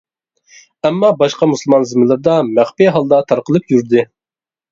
ئەمما باشقا مۇسۇلمان زېمىنلىرىدا مەخپىي ھالدا تارقىلىپ يۈردى.